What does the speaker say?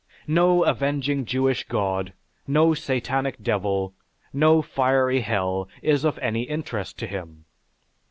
No avenging Jewish God, no satanic devil, no fiery hell is of any interest to him.